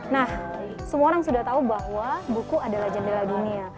nah semua orang sudah tahu bahwa buku adalah jendela dunia